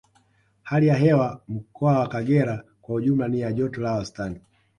Hali ya hewa mkoa wa Kagera kwa ujumla ni ya joto la wastani